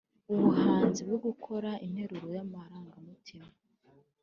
ubuhanzi" bwo gukora interuro y'amarangamutima,